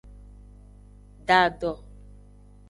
Da do.